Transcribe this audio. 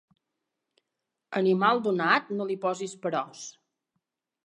A animal donat no li posis peròs.